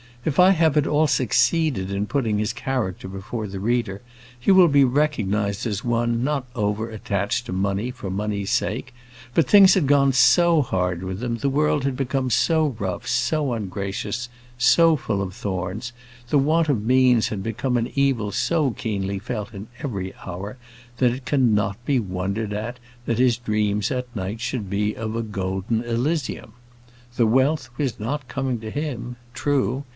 If I have at all succeeded in putting his character before the reader, he will be recognised as one not over attached to money for money's sake. But things had gone so hard with him, the world had become so rough, so ungracious, so full of thorns, the want of means had become an evil so keenly felt in every hour, that it cannot be wondered at that his dreams that night should be of a golden elysium. The wealth was not coming to him. True.